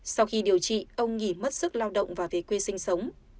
sau khi điều trị ông nghỉ mất sức lao động và về quê sinh sống